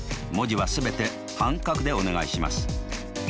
文字は全て半角でお願いします。